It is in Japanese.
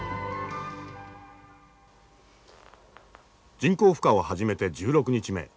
人工孵化を始めて１６日目。